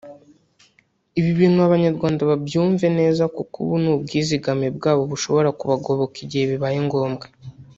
Ibi bintu Abanyarwanda babyumve neza kuko ubu ni ubwizigame bwabo bushobora kubagoboka igihe bibaye ngombwa